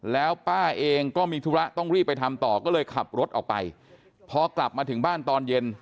แล้วป้าเองก็มีธุระต้องรีบไปทำต่อก็เลยขับรถออกไปพอกลับมาถึงบ้านตอนเย็น